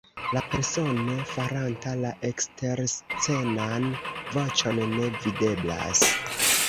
La persono faranta la eksterscenan voĉon ne videblas.